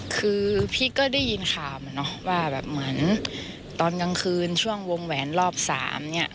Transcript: คือพี่ก็ได้ยินข่าวมาเนอะว่าแบบเหมือนตอนกลางคืนช่วงวงแหวนรอบสามเนี่ย